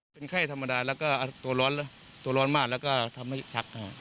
เป็นไข้ธรรมดาแล้วก็ตัวร้อนแล้วตัวร้อนมากแล้วก็ทำให้ชัก